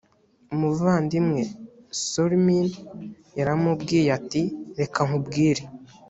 umuvandimwe sormin yaramubwiye ati reka nkubwire